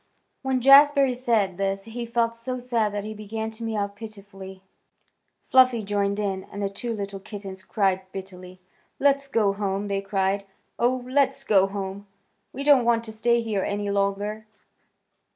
When Jazbury said this he felt so sad that he began to mew pitifully. Fluffy joined in, and the two little kittens cried bitterly. "Let's go home!" they cried. "Oh, let's go home. We don't want to stay here any longer."